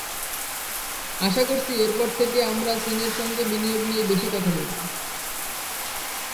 আশা করছি, এরপর থেকে আমরা চীনের সঙ্গে বিনিয়োগ নিয়েই বেশি কথা বলব।